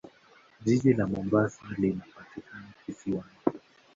Jiji la Mombasa linapatikana kisiwani.